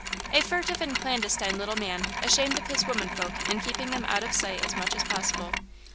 '" A furtive and clandestine little man, ashamed of his women folk and keeping them out of sight as much as possible.